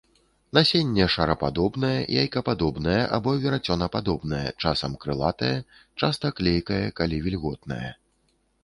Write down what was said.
Насенне шарападобнае, яйкападобнае або верацёнападобнае, часам крылатае, часта клейкае, калі вільготнае.